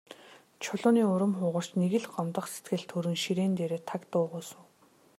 Чулууны урам хугарч, нэг л гомдох сэтгэл төрөн ширээн дээрээ таг дуугүй суув.